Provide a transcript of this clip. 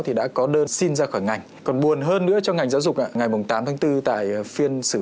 thì đã có đơn xin ra khỏi ngành còn buồn hơn nữa cho ngành giáo dục ngày tám tháng bốn tại phiên xử